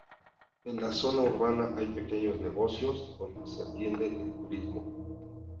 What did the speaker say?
En la zona urbana hay pequeños negocios, donde se atiende el turismo.